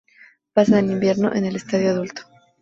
Pasan el invierno en el estadio adulto.